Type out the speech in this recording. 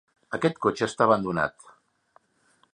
Aquest cotxe està abandonat.